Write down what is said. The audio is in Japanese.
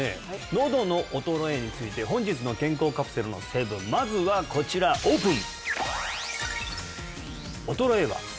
のどの衰えについて本日の健康カプセルの成分まずはこちらオープン！